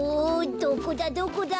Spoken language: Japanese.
どこだどこだ！